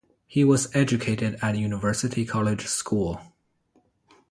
He was educated at University College School.